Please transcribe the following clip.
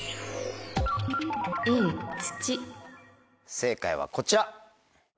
正解はこちら。